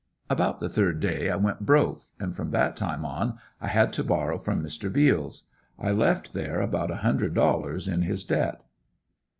About the third day I went broke, and from that time on I had to borrow from Mr. Beals. I left there about a hundred dollars in his debt.